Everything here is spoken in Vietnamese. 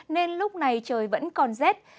nên lúc này trời vẫn còn rết